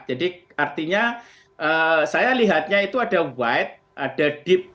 jadi artinya saya lihatnya itu ada wide ada deep